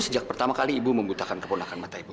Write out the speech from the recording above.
sejak pertama kali ibu membutakan keponakan mata ibu